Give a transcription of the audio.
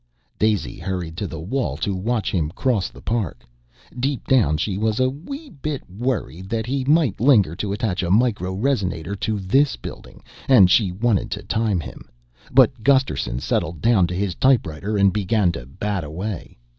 Daisy hurried to the wall to watch him cross the park. Deep down she was a wee bit worried that he might linger to attach a micro resonator to this building and she wanted to time him. But Gusterson settled down to his typewriter and began to bat away.